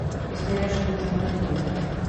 Este era o seu último ano de contrato.